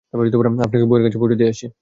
আপনাকে বাইরে পৌঁছে দিয়ে আসি।